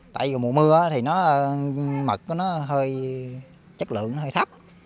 tại vì mùa mưa thì mật nó hơi chất lượng hơi thấp